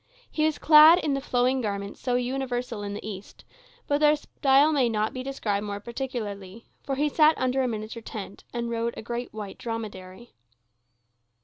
He was clad in the flowing garments so universal in the East; but their style may not be described more particularly, for he sat under a miniature tent, and rode a great white dromedary.